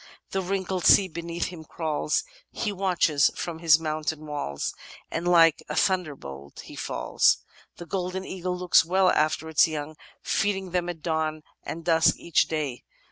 The wrinkled sea beneath him crawls ; He watches from his mountain walls, ' And like a thunderbolt he falls. The Golden Eagle looks well after its young, feeding them at dawn and dusk each day.